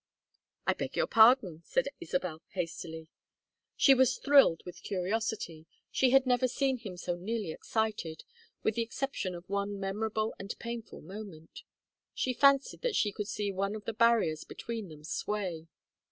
"I beg your pardon," said Isabel, hastily. She was thrilled with curiosity; she had never seen him so nearly excited, with the exception of one memorable and painful moment. She fancied that she could see one of the barriers between them sway.